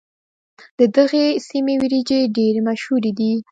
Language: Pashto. د دغې سيمې وريجې ډېرې مشهورې دي.